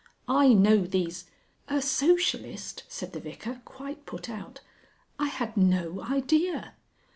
I know these " "A Socialist," said the Vicar, quite put out, "I had no idea."